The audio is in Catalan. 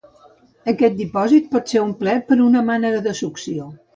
Aquest dipòsit pot ser omplert per una mànega de succió.